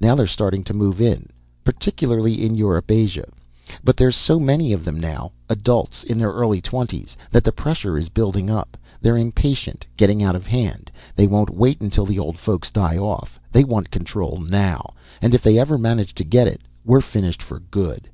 Now they're starting to move in, particularly in Europasia. But there's so many of them now adults, in their early twenties that the pressure is building up. They're impatient, getting out of hand. They won't wait until the old folks die off. They want control now. And if they ever manage to get it, we're finished for good."